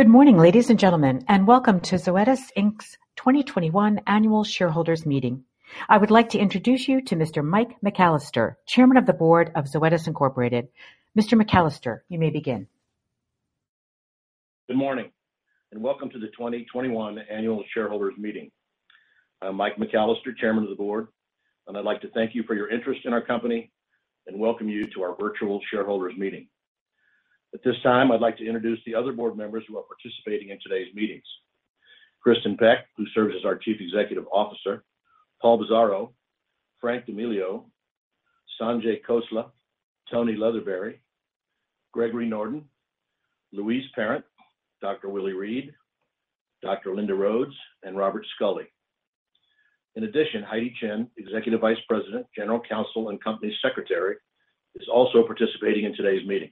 Good morning, ladies and gentlemen, welcome to Zoetis Inc.'s 2021 annual shareholders meeting. I would like to introduce you to Mr. Mike McCallister, Chairman of the Board of Zoetis Incorporated. Mr. McCallister, you may begin. Good morning. Welcome to the 2021 annual shareholders meeting. I'm Mike McCallister, Chairman of the Board, and I'd like to thank you for your interest in our company and welcome you to our virtual shareholders meeting. At this time, I'd like to introduce the other board members who are participating in today's meeting. Kristin Peck, who serves as our Chief Executive Officer, Paul Bisaro, Frank D'Amelio, Sanjay Khosla, Tonie Leatherberry, Gregory Norden, Louise Parent, Dr. Willie Reed, Dr. Linda Rhodes, and Robert Scully. In addition, Heidi Chen, Executive Vice President, General Counsel, and Corporate Secretary, is also participating in today's meeting.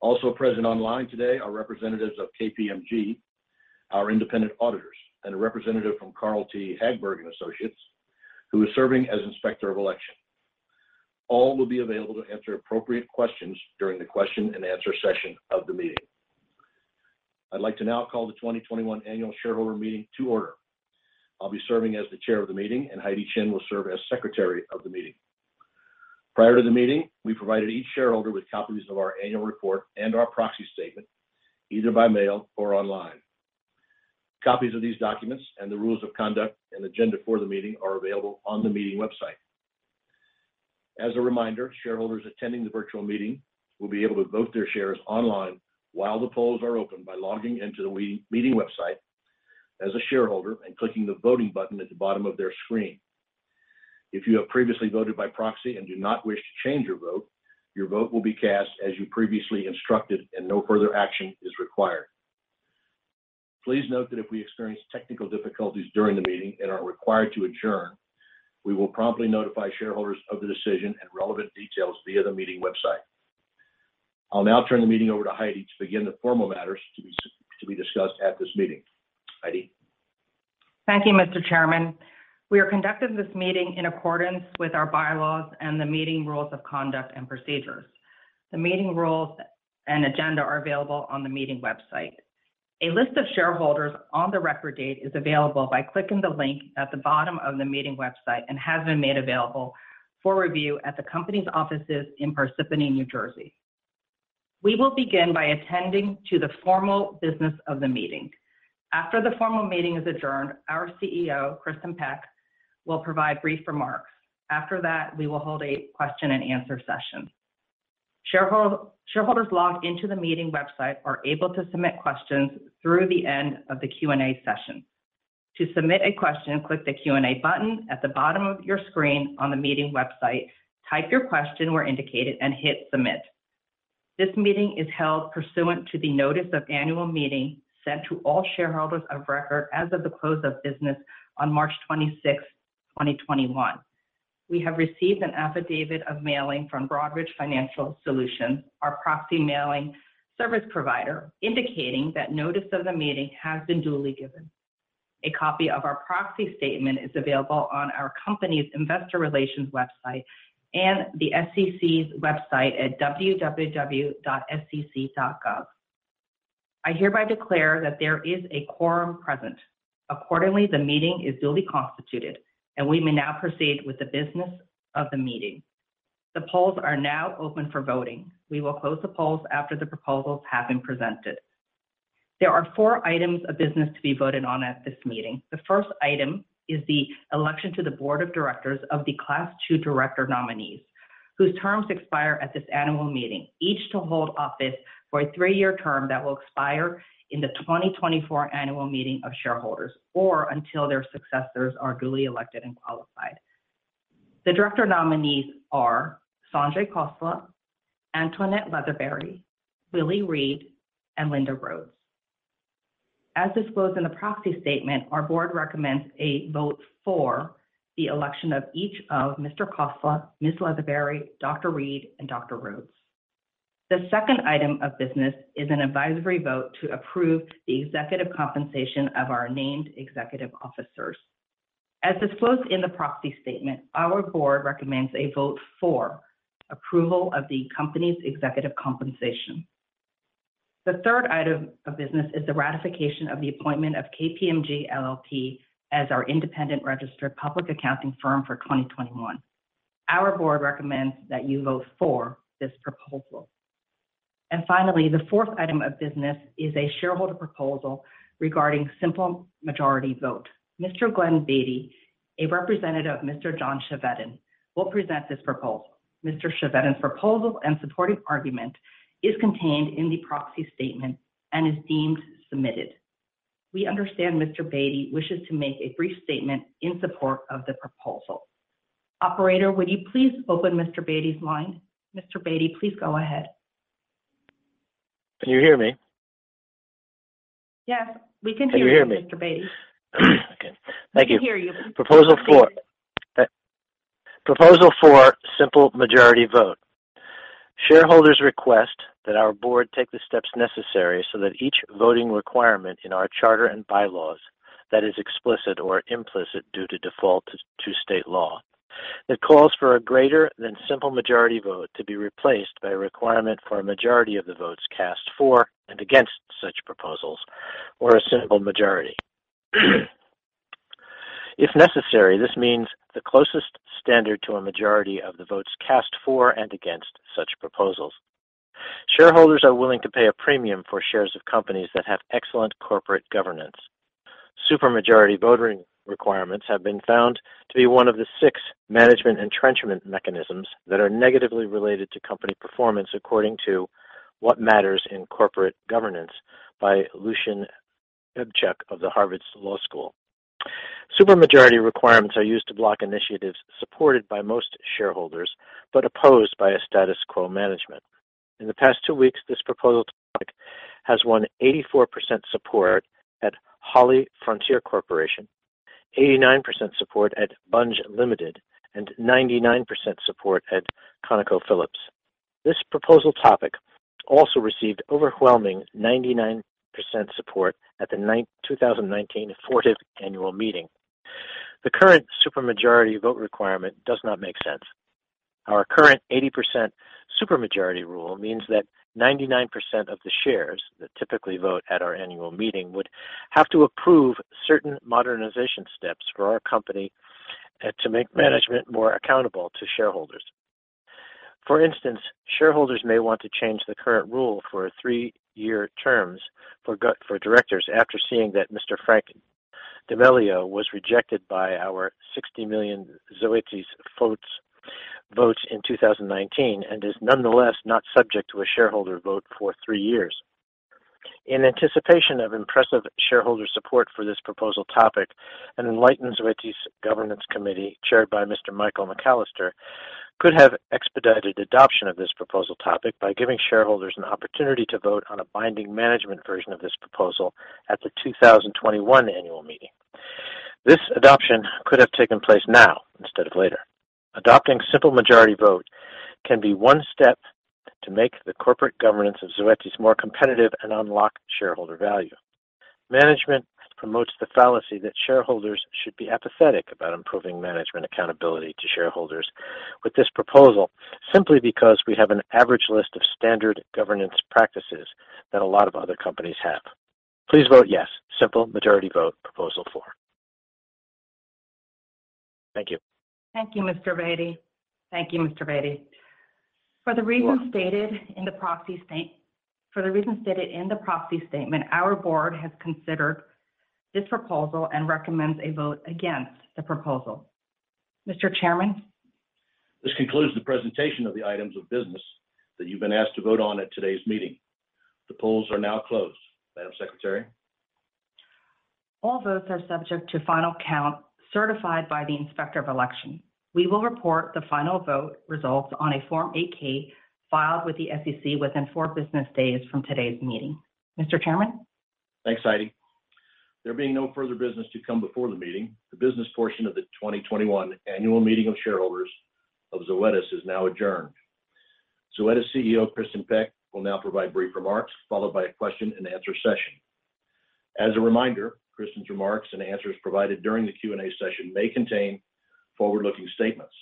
Also present online today are representatives of KPMG, our independent auditors, and a representative from Carl T. Hagberg and Associates, who is serving as Inspector of Election. All will be available to answer appropriate questions during the question and answer session of the meeting. I'd like to now call the 2021 annual shareholder meeting to order. I'll be serving as the chair of the meeting, and Heidi Chen will serve as secretary of the meeting. Prior to the meeting, we provided each shareholder with copies of our annual report and our proxy statement, either by mail or online. Copies of these documents and the rules of conduct and agenda for the meeting are available on the meeting website. As a reminder, shareholders attending the virtual meeting will be able to vote their shares online while the polls are open by logging in to the meeting website as a shareholder and clicking the voting button at the bottom of their screen. If you have previously voted by proxy and do not wish to change your vote, your vote will be cast as you previously instructed and no further action is required. Please note that if we experience technical difficulties during the meeting and are required to adjourn, we will promptly notify shareholders of the decision and relevant details via the meeting website. I'll now turn the meeting over to Heidi to begin the formal matters to be discussed at this meeting. Heidi? Thank you, Mr. Chairman. We are conducting this meeting in accordance with our bylaws and the meeting rules of conduct and procedures. The meeting rules and agenda are available on the meeting website. A list of shareholders on the record date is available by clicking the link at the bottom of the meeting website and has been made available for review at the company's offices in Parsippany, New Jersey. We will begin by attending to the formal business of the meeting. After the formal meeting is adjourned, our CEO, Kristin Peck, will provide brief remarks. We will hold a question and answer session. Shareholders logged into the meeting website are able to submit questions through the end of the Q&A session. To submit a question, click the Q&A button at the bottom of your screen on the meeting website, type your question where indicated, and hit submit. This meeting is held pursuant to the notice of annual meeting sent to all shareholders of record as of the close of business on March 26th, 2021. We have received an affidavit of mailing from Broadridge Financial Solutions, our proxy mailing service provider, indicating that notice of the meeting has been duly given. A copy of our proxy statement is available on our company's investor relations website and the SEC's website at www.sec.gov. I hereby declare that there is a quorum present. Accordingly, the meeting is duly constituted and we may now proceed with the business of the meeting. The polls are now open for voting. We will close the polls after the proposals have been presented. There are four items of business to be voted on at this meeting. The first item is the election to the board of directors of the Class 2 director nominees, whose terms expire at this annual meeting, each to hold office for a three-year term that will expire in the 2024 annual meeting of shareholders, or until their successors are duly elected and qualified. The director nominees are Sanjay Khosla, Antoinette Leatherberry, Willie Reed, and Linda Rhodes. As disclosed in the proxy statement, our board recommends a vote for the election of each of Mr. Khosla, Ms. Leatherberry, Dr. Reed, and Dr. Rhodes. The second item of business is an advisory vote to approve the executive compensation of our named executive officers. As disclosed in the proxy statement, our board recommends a vote for approval of the company's executive compensation. The third item of business is the ratification of the appointment of KPMG LLP as our independent registered public accounting firm for 2021. Our board recommends that you vote for this proposal. Finally, the fourth item of business is a shareholder proposal regarding simple majority vote. Mr. Glenn Beatty, a representative of Mr. John Chevedden, will present this proposal. Mr. Chevedden's proposal and supporting argument is contained in the proxy statement and is being submitted. We understand Mr. Beatty wishes to make a brief statement in support of the proposal. Operator, would you please open Mr. Beatty's line? Mr. Beatty, please go ahead. Can you hear me? Yes, we can hear you, Mr. Beatty. Can you hear me? Okay. Thank you. We can hear you. Proposal four, simple majority vote. Shareholders request that our board take the steps necessary so that each voting requirement in our charter and bylaws that is explicit or implicit due to default to state law. It calls for a greater than simple majority vote to be replaced by a requirement for a majority of the votes cast for and against such proposals or a simple majority. If necessary, this means the closest standard to a majority of the votes cast for and against such proposals. Shareholders are willing to pay a premium for shares of companies that have excellent corporate governance. Super majority voting requirements have been found to be one of the six management entrenchment mechanisms that are negatively related to company performance, according to What Matters in Corporate Governance by Lucian Bebchuk of the Harvard Law School. Super majority requirements are used to block initiatives supported by most shareholders but opposed by a status quo management. In the past two weeks, this proposal topic has won 84% support at HollyFrontier Corporation, 89% support at Bunge Limited, and 99% support at ConocoPhillips. This proposal topic also received overwhelming 99% support at the 2019 Fortive Annual Meeting. The current super majority vote requirement does not make sense. Our current 80% super majority rule means that 99% of the shares that typically vote at our annual meeting would have to approve certain modernization steps for our company to make management more accountable to shareholders. For instance, shareholders may want to change the current rule for three-year terms for directors after seeing that Mr. Frank D'Amelio was rejected by our 60 million Zoetis votes in 2019 and is nonetheless not subject to a shareholder vote for three years. In anticipation of impressive shareholder support for this proposal topic, an enlightened Zoetis governance committee, chaired by Mr. Michael McCallister, could have expedited adoption of this proposal topic by giving shareholders an opportunity to vote on a binding management version of this proposal at the 2021 annual meeting. This adoption could have taken place now instead of later. Adopting simple majority vote can be one step to make the corporate governance of Zoetis more competitive and unlock shareholder value. Management promotes the fallacy that shareholders should be apathetic about improving management accountability to shareholders with this proposal simply because we have an average list of standard governance practices that a lot of other companies have. Please vote yes. Simple majority vote Proposal 4. Thank you. Thank you, Mr. Beatty. For the reasons stated in the proxy statement, our board has considered this proposal and recommends a vote against the proposal. Mr. Chairman? This concludes the presentation of the items of business that you've been asked to vote on at today's meeting. The polls are now closed. Madam Secretary? All votes are subject to final count certified by the Inspector of Election. We will report the final vote results on a Form 8-K filed with the SEC within four business days from today's meeting. Mr. Chairman? Thanks, Heidi. There being no further business to come before the meeting, the business portion of the 2021 annual meeting of shareholders of Zoetis is now adjourned. Zoetis CEO Kristin Peck will now provide brief remarks, followed by a question and answer session. As a reminder, Kristin's remarks and answers provided during the Q&A session may contain forward-looking statements.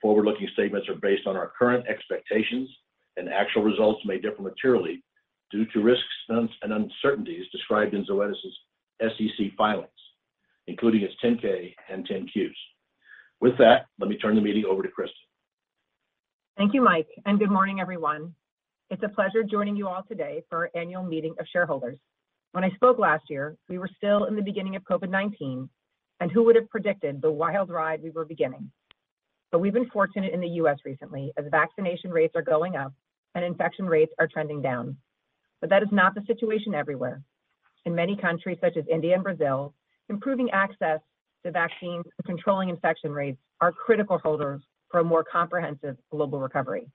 Forward-looking statements are based on our current expectations, and actual results may differ materially due to risks and uncertainties described in Zoetis' SEC filings, including its 10-K and 10-Qs. With that, let me turn the meeting over to Kristin. Thank you, Mike, and good morning, everyone. It's a pleasure joining you all today for our annual meeting of shareholders. When I spoke last year, we were still in the beginning of COVID-19, and who would have predicted the wild ride we were beginning? We've been fortunate in the U.S. recently as vaccination rates are going up and infection rates are trending down. That is not the situation everywhere. In many countries, such as India and Brazil, improving access to vaccines and controlling infection rates are critical factors for a more comprehensive global recovery.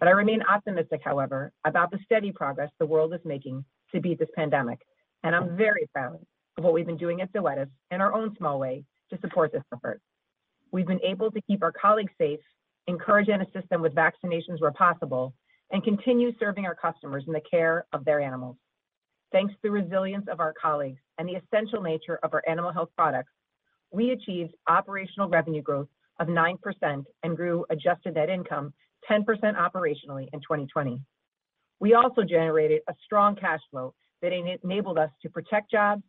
I remain optimistic, however, about the steady progress the world is making to beat this pandemic, and I'm very proud of what we've been doing at Zoetis in our own small way to support this effort. We've been able to keep our colleagues safe, encourage and assist them with vaccinations where possible, and continue serving our customers in the care of their animals. Thanks to the resilience of our colleagues and the essential nature of our animal health products, we achieved operational revenue growth of 9% and grew adjusted net income 10% operationally in 2020. We also generated a strong cash flow that enabled us to protect jobs,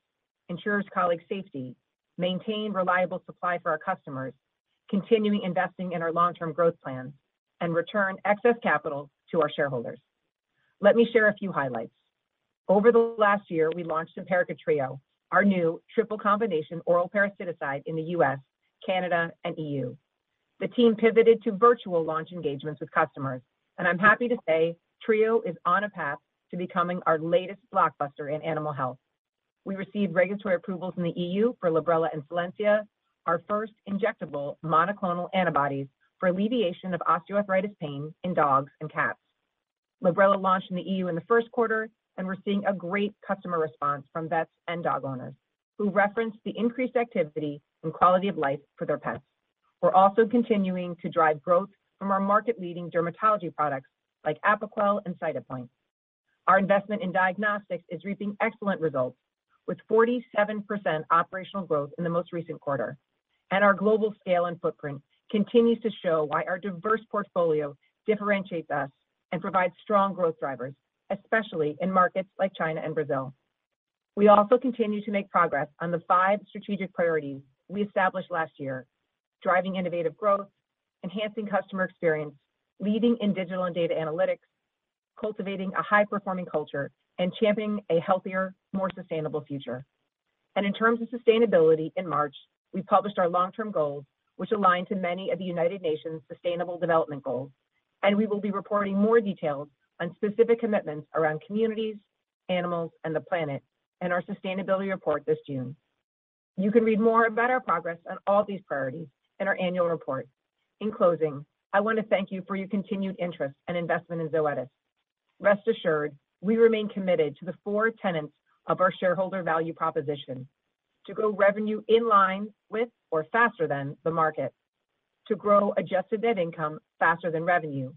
ensure our colleagues' safety, maintain reliable supply for our customers, continue investing in our long-term growth plans, and return excess capital to our shareholders. Let me share a few highlights. Over the last year, we launched Simparica Trio, our new triple-combination oral parasiticide in the U.S., Canada, and E.U. The team pivoted to virtual launch engagements with customers, and I'm happy to say Trio is on a path to becoming our latest blockbuster in animal health. We received regulatory approval from the EU for Librela and Solensia, our first injectable monoclonal antibodies for mediation of osteoarthritis pain in dogs and cats. Librela launched in the EU in the first quarter, we're seeing a great customer response from vets and dog owners who reference the increased activity and quality of life for their pets. We're also continuing to drive growth from our market-leading dermatology products like Apoquel and Cytopoint. Our investment in diagnostics is reaping excellent results, with 47% operational growth in the most recent quarter. Our global scale and footprint continues to show why our diverse portfolio differentiates us and provides strong growth drivers, especially in markets like China and Brazil. We also continue to make progress on the five strategic priorities we established last year: driving innovative growth, enhancing customer experience, leading in digital and data analytics, cultivating a high-performing culture, and championing a healthier, more sustainable future. In terms of sustainability, in March, we published our long-term goals, which align to many of the United Nations Sustainable Development Goals, and we will be reporting more details on specific commitments around communities, animals, and the planet in our sustainability report this June. You can read more about our progress on all these priorities in our annual report. In closing, I want to thank you for your continued interest and investment in Zoetis. Rest assured, we remain committed to the four tenets of our shareholder value proposition: to grow revenue in line with or faster than the market, to grow adjusted net income faster than revenue,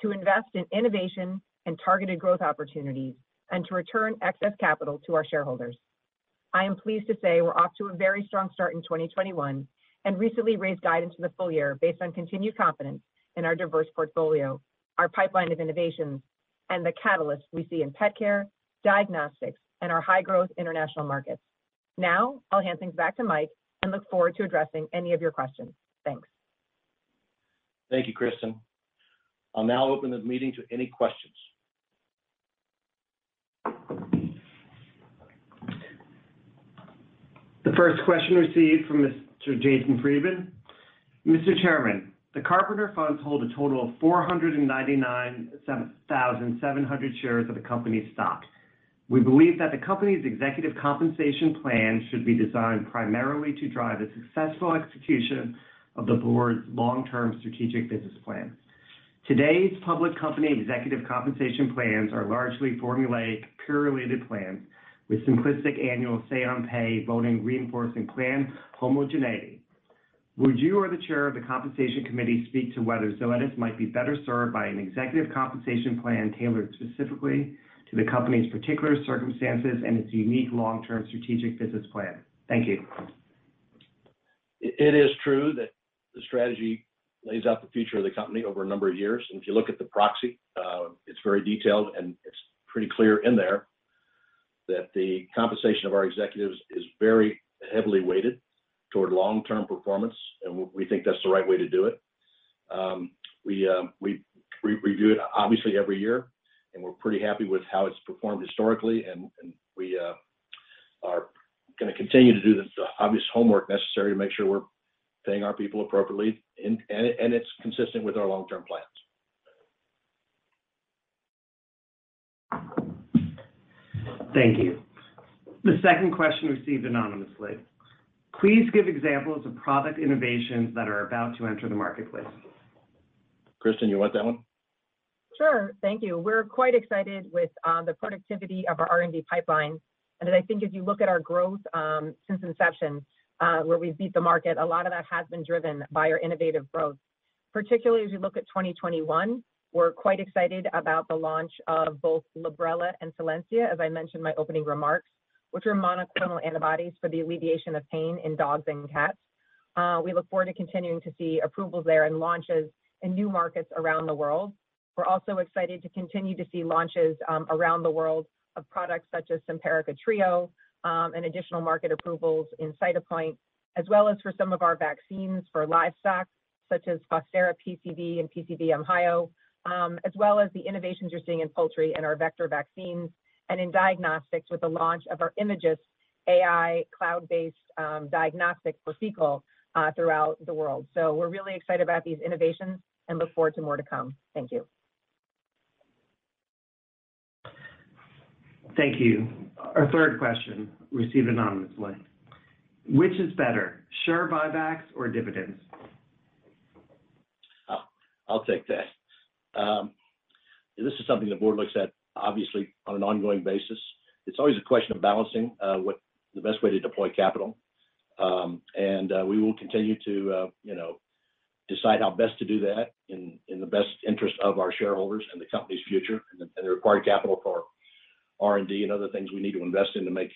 to invest in innovation and targeted growth opportunities, and to return excess capital to our shareholders. I am pleased to say we're off to a very strong start in 2021 and recently raised guidance for the full year based on continued confidence in our diverse portfolio, our pipeline of innovations, and the catalysts we see in pet care, diagnostics, and our high-growth international markets. Now, I'll hand things back to Mike and look forward to addressing any of your questions. Thanks. Thank you, Kristin. I'll now open the meeting to any questions. The first question received from Mr. Jason Friedman. "Mr. Chairman, the Carpenter Fund hold a total of 499,700 shares of the company's stock. We believe that the company's executive compensation plan should be designed primarily to drive the successful execution of the board's long-term strategic business plan. Today's public company executive compensation plans are largely formulaic, purely to plan, with simplistic annual say on pay voting reinforcing plan homogeneity. Would you or the chair of the Compensation Committee speak to whether Zoetis might be better served by an executive compensation plan tailored specifically to the company's particular circumstances and its unique long-term strategic business plan? Thank you. " It is true that the strategy lays out the future of the company over a number of years. If you look at the proxy, it's very detailed and it's pretty clear in there that the compensation of our executives is very heavily weighted toward long-term performance, and we think that's the right way to do it. We do it obviously every year, and we're pretty happy with how it's performed historically, and we are going to continue to do the obvious homework necessary to make sure we're paying our people appropriately, and it's consistent with our long-term plans. Thank you. The second question received anonymously. "Please give examples of product innovations that are about to enter the marketplace. Kristin, you want that one? Sure. Thank you. We're quite excited with the productivity of our R&D pipeline. I think if you look at our growth since inception, where we beat the market, a lot of that has been driven by our innovative growth. Particularly as we look at 2021, we're quite excited about the launch of both Librela and Solensia, as I mentioned in my opening remarks, which are monoclonal antibodies for the alleviation of pain in dogs and cats. We look forward to continuing to see approvals there and launches in new markets around the world. We're also excited to continue to see launches around the world of products such as Simparica Trio, and additional market approvals in Cytopoint, as well as for some of our vaccines for livestock, such as Fostera PCV and PTV Ohio, as well as the innovations we're seeing in poultry and our vector vaccines, and in diagnostics with the launch of our IMAGYST AI cloud-based diagnostic for fecal throughout the world. We're really excited about these innovations and look forward to more to come. Thank you. Thank you. Our third question, received anonymously. "Which is better, share buybacks or dividends?" I'll take that. This is something the board looks at obviously on an ongoing basis. It's always a question of balancing the best way to deploy capital. We will continue to decide how best to do that in the best interest of our shareholders and the company's future and the required capital for R&D and other things we need to invest in to make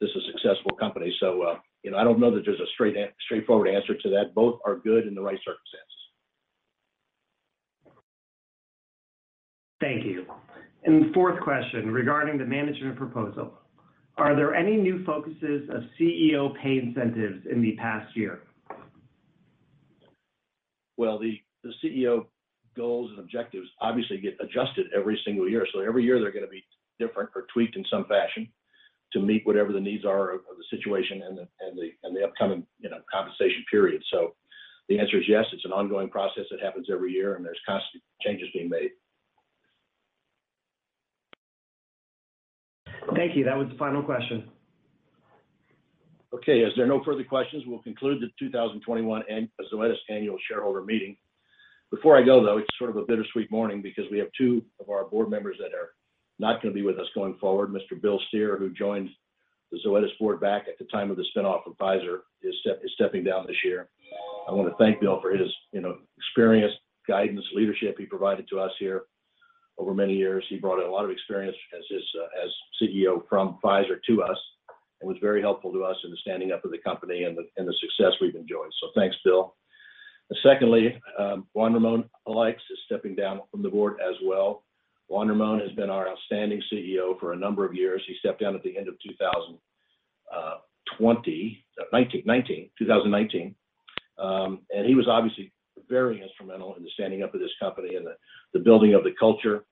this a successful company. I don't know that there's a straightforward answer to that. Both are good in the right circumstance. Thank you. Fourth question regarding the management proposal. "Are there any new focuses of CEO pay incentives in the past year? Well, the CEO goals and objectives obviously get adjusted every single year. Every year they're going to be different or tweaked in some fashion to meet whatever the needs are of the situation and the upcoming compensation period. The answer is yes, it's an ongoing process that happens every year and there's constant changes being made. Thank you. That was the final question. As there are no further questions, we'll conclude the 2021 Zoetis Annual Shareholder Meeting. Before I go, though, it's sort of a bittersweet morning because we have two of our board members that are not going to be with us going forward. Mr. Bill Steere, who joined the Zoetis Board back at the time of the spinoff of Pfizer, is stepping down this year. I want to thank Bill for his experience, guidance, leadership he provided to us here over many years. He brought a lot of experience as CEO from Pfizer to us and was very helpful to us in the standing up of the company and the success we've enjoyed. Thanks, Bill. Secondly, Juan Ramón Alaix is stepping down from the Board as well. Juan Ramón has been our outstanding CEO for a number of years. He stepped down at the end of 2019. He was obviously very instrumental in the standing up of this company and the building of the culture.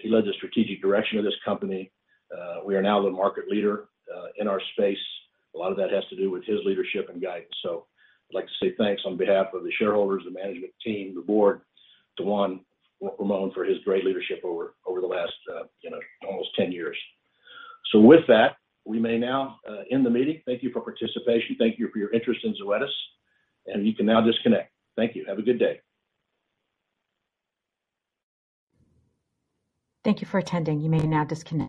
He led the strategic direction of this company. We are now the market leader in our space. A lot of that has to do with his leadership and guidance. I'd like to say thanks on behalf of the shareholders, the management team, the board, to Juan Ramón for his great leadership over the last almost 10 years. With that, we may now end the meeting. Thank you for participation. Thank you for your interest in Zoetis, and you can now disconnect. Thank you. Have a good day. Thank you for attending. You may now disconnect.